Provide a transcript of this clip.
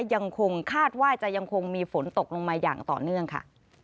ยังคงคาดว่าจะยังคงมีฝนตกลงมาอย่างต่อเนื่องค่ะ